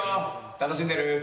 楽しんでる？